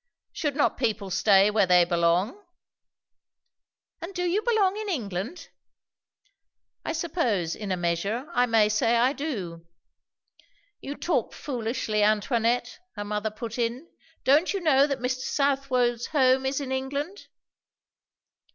"Should not people stay where they belong?" "And do you belong in England?" "I suppose, in a measure, I may say I do." "You talk foolishly, Antoinette," her mother put in. "Don't you know that Mr. Southwode's home is in England?"